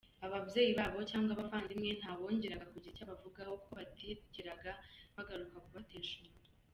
Ababyeyi babo cyangwa abavandimwe, nta wongeraga kugira icyo abavugaho, kuko batigeraga bagaruka kubatesha umutwe.